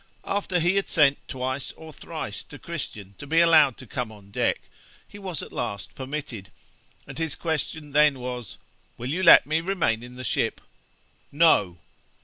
After he had sent twice or thrice to Christian to be allowed to come on deck, he was at last permitted, and his question then was, "Will you let me remain in the ship?" "No."